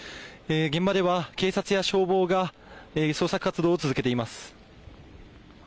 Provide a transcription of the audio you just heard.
現場では警察や消防が捜索活動を続けています。